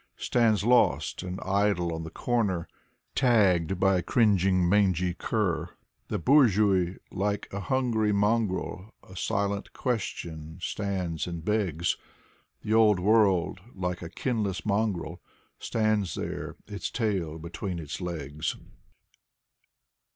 Stands lost and idle on the corner, Tagged by a cringing, mangy cur. The boorzhooy like a hungry mongrel : A silent question stands and begs; The old world like a kinless mongrel Stands there, its tail between its legs.